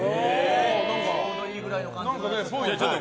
ちょうどいいくらいの感じで。